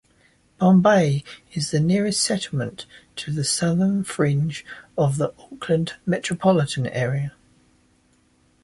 Bombay is the nearest settlement to the southern fringe of the Auckland metropolitan area.